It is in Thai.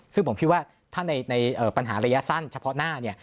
ซึ่งผมคิดว่าถ้าในปัญหาระยะสั้นเฉพาะหน้าเนี่ย